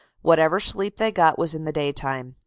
Whatever sleep they got was in the day time.